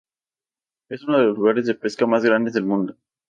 Es uno de los lugares de pesca más grande del mundo.